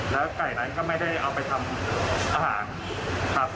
แล้วไก่นั้นก็ไม่ได้เอาไปทำอาหารครับ